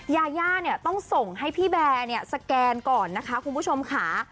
ยาย่าเนี่ยต้องส่งให้พี่แบร์เนี่ยสแกนก่อนนะคะคุณผู้ชมค่ะ